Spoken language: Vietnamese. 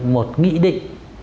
một nghị định